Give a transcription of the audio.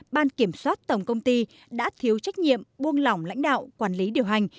ban kiểm soát tổng công ty đã thiếu trách nhiệm buông lỏng lãnh đạo quản lý điều hành